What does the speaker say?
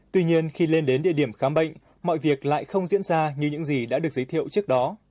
tuy nhiên khi lên đến địa điểm khám bệnh mọi việc lại không diễn ra như những gì đã được giới thiệu trước đó